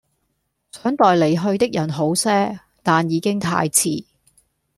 想待離去的人好些，但已經太遲